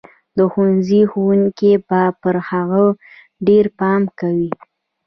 د ښوونځي ښوونکي به پر هغه ډېر پام کوي.